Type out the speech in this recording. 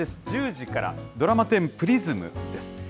１０時から、ドラマ１０、プリズムです。